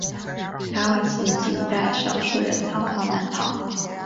达瓦齐仅带少数人仓皇南逃。